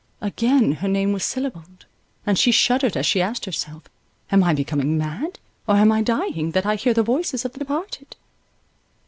Again her name was syllabled, and she shuddered as she asked herself, am I becoming mad, or am I dying, that I hear the voices of the departed?